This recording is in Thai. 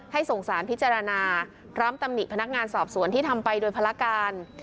ส่งสารพิจารณาพร้อมตำหนิพนักงานสอบสวนที่ทำไปโดยภารการ